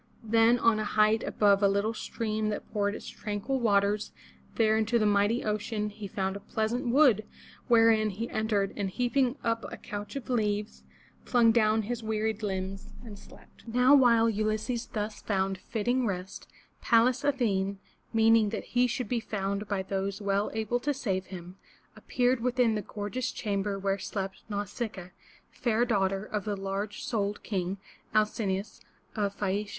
Then on a height above a little stream that poured its tranquil waters there into the mighty ocean, he found a pleasant wood wherein he entered, and heaping up a couch of leaves, flung down his wearied limbs, and slept. Now while Ulysses thus found fitting rest, Pallas Athene, meaning that he should be found by those well able to save him» appeared within the gorgeous chamber where slept Nau sic'a a, fair daughter of the large souled King, Al cin'o us, of Phae a' ci a.